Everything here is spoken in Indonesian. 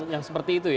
yang seperti itu ya